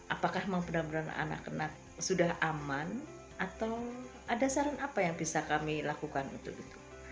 apakah memang benar benar anak anak sudah aman atau ada saran apa yang bisa kami lakukan untuk itu